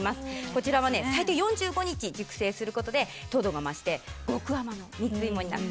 こちらは、最低４５日熟成することで糖度が増して極甘の蜜芋になる。